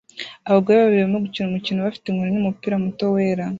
Abagore babiri barimo gukina umukino bafite inkoni n'umupira muto wera